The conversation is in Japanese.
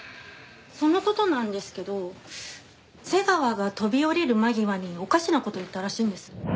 その事なんですけど瀬川が飛び降りる間際におかしな事言ったらしいんです。